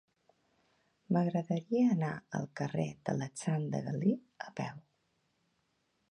M'agradaria anar al carrer d'Alexandre Galí a peu.